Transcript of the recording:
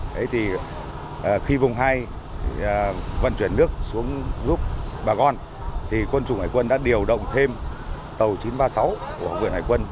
thế thì khi vùng hai vận chuyển nước xuống giúp bà con thì quân chủng hải quân đã điều động thêm tàu chín trăm ba mươi sáu của huyện hải quân